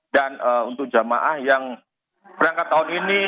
dan untuk jemaah yang berangkat tahun ini